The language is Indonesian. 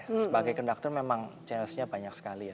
sebagai konduktor memang challenge nya banyak sekali ya